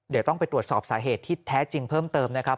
เดี๋ยวต้องไปตรวจสอบสาเหตุที่แท้จริงเพิ่มเติมนะครับ